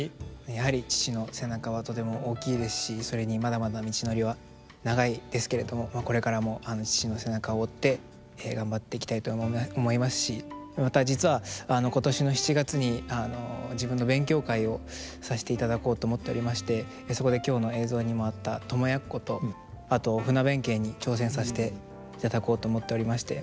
やはり父の背中はとても大きいですしそれにまだまだ道のりは長いですけれどもこれからも父の背中を追って頑張っていきたいと思いますしまた実は今年の７月に自分の勉強会をさせていただこうと思っておりましてそこで今日の映像にもあった「供奴」とあと「船弁慶」に挑戦させていただこうと思っておりまして。